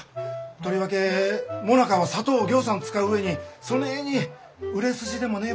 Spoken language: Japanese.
とりわけもなかは砂糖をぎょうさん使う上にそねえに売れ筋でもねえ